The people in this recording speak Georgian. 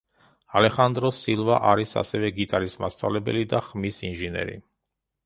ალეხანდრო სილვა არის ასევე გიტარის მასწავლებელი და ხმის ინჟინერი.